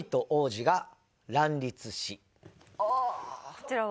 こちらは？